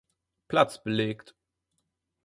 Platz belegt.